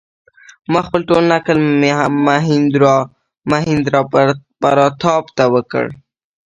ما خپل ټول نکل مهیندراپراتاپ ته وکړ.